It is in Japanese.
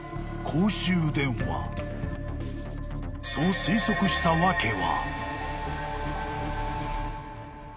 ［そう推測した訳は］